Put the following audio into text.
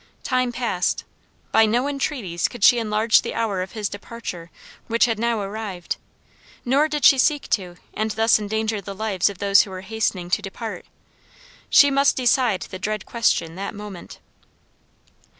Time passed. By no entreaties could she enlarge the hour of departure which had now arrived. Nor did she seek to and thus endanger the lives of those who were hastening to depart. She must decide the dread question that moment.